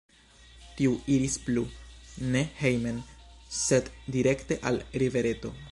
Tiu iris plu, ne hejmen, sed direkte al rivereto.